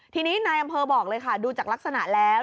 ทีนี้นายอำเภอบอกเลยค่ะดูจากลักษณะแล้ว